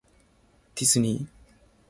ディズニー